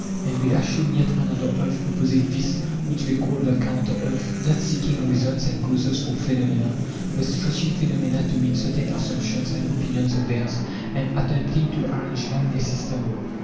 And they assume yet another earth opposite this which they call the counter earth [avriy@wv}, not seeking reasons and causes for phenomena, but stretching phenomena to meet certain assumptions and opinions of theirs and attempting to arrange them in a system.